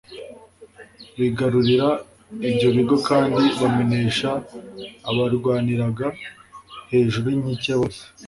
bigarurira ibyo bigo kandi bamenesha abarwaniraga hejuru y'inkike bose